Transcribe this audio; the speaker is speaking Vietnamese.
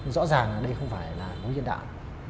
rõ ràng là đây không phải là mục đích nhân đạo